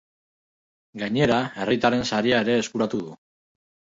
Gainera, herritarren saria ere eskuratu du.